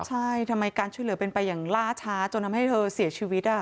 ใช่ทำไมการช่วยเหลือเป็นไปอย่างล่าช้าจนทำให้เธอเสียชีวิต